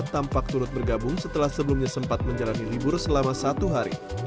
tampak turut bergabung setelah sebelumnya sempat menjalani libur selama satu hari